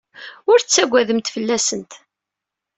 Ur ttaggademt fell-asent.